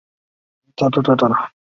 设有电脑辅助学习中心。